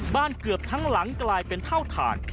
เกือบทั้งหลังกลายเป็นเท่าฐาน